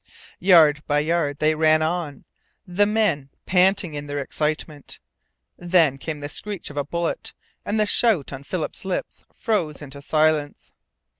Yard by yard they ran on, the men panting in their excitement. Then came the screech of a bullet, and the shout on Philip's lips froze into silence.